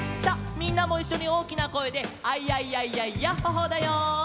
みんなもいっしょにおおきなこえで「アイヤイヤイヤイヤッホ・ホー」だよ。